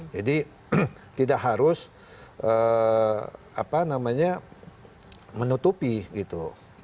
jadi tidak harus menutupi gitu